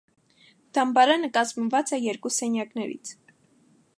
Դամբարանը կազմված է երկու սենյակներից։